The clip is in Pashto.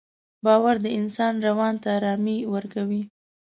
باور د انسان روان ته ارامي ورکوي.